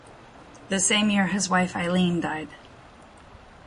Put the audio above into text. The same year his wife Eileen died.